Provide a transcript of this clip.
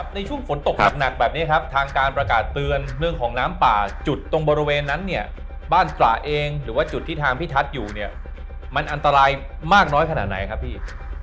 ในช่วงฝนตกหนักแบบนี้ครับทางการประกาศเตือนเรื่องของน้ำป่าจุดตรงบริเวณนั้นเนี่ยบ้านตระเองหรือว่าจุดที่ทางพิทัศน์อยู่เนี่ยมันอันตรายมากน้อยขนาดไหนครับพี่